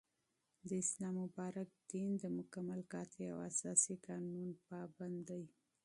داسلام مبارك دين دمكمل ، قاطع او اساسي قانون پابند دى